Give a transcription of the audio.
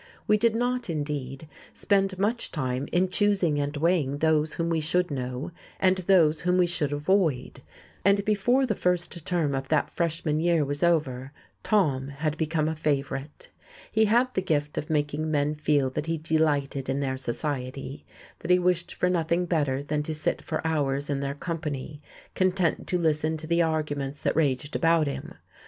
We did not, indeed, spend much time in choosing and weighing those whom we should know and those whom we should avoid; and before the first term of that Freshman year was over Tom had become a favourite. He had the gift of making men feel that he delighted in their society, that he wished for nothing better than to sit for hours in their company, content to listen to the arguments that raged about him.